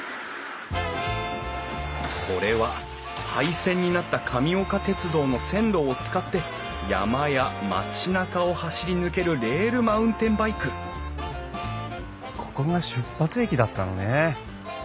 これは廃線になった神岡鉄道の線路を使って山や町なかを走り抜けるレールマウンテンバイクここが出発駅だったのね。